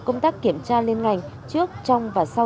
công tác kiểm tra liên ngành trước trong và sau